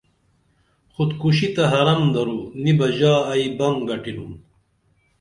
خود کشی تہ حرم درو نی بہ ژا ائی بم گٹِنُم